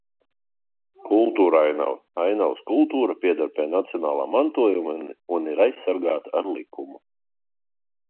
Kultūrainava, ainavas kultūra pieder pie nacionālā mantojuma un ir aizsargāta ar likumu.